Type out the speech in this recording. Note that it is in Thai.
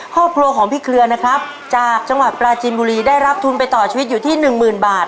ข้อพลัวของพี่เคลือนะครับจากจังหวัดปลาจินบุรีได้รับทุนไปต่อชีวิตอยู่ที่๑๐๐๐๐บาท